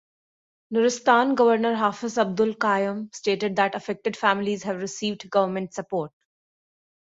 Nuristan governor Hafiz Abdul Qayum stated that affected families have received government support.